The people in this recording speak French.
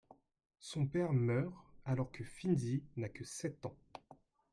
Son père meurt alors que Finzi n'a que sept ans.